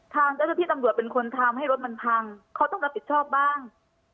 ทางเจ้าหน้าที่ตำรวจเป็นคนทำให้รถมันพังเขาต้องรับผิดชอบบ้าง